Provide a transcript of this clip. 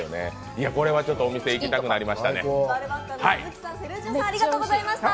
いや、これはお店に行きたくなりましたね。